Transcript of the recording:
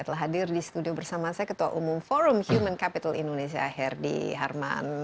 telah hadir di studio bersama saya ketua umum forum human capital indonesia herdy harman